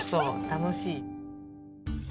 楽しい。